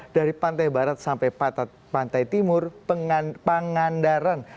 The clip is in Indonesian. dari pantai barat sampai pantai timur pangandaran